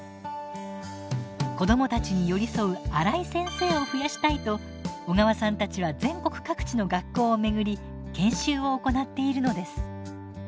子どもたちに寄り添うアライ先生を増やしたいと小川さんたちは全国各地の学校を巡り研修を行っているのです。